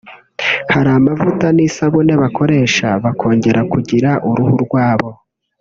hari amavuta n’isabune bakoresha bakongera kugira uruhu rwabo